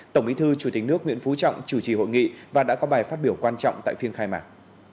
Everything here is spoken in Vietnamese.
tổng bí thư chủ tịch nước nguyễn phú trọng chủ trì hội nghị và đã có bài phát biểu quan trọng tại phiên khai mạc